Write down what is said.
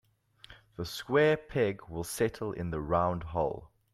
The square peg will settle in the round hole.